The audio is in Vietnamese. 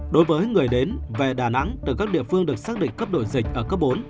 đối với người đến về đà nẵng từ các địa phương được xác định cấp đổi dịch ở cấp bốn